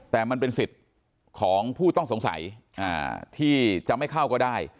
แต่มันเป็นสิทธิ์ของผู้ต้องสงสัยที่จะไม่เข้าก็ได้